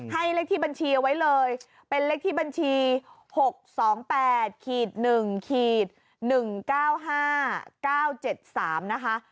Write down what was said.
เลขที่บัญชีเอาไว้เลยเป็นเลขที่บัญชี๖๒๘๑๑๙๕๙๗๓นะคะ